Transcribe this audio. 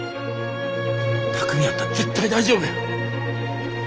巧海やったら絶対大丈夫や！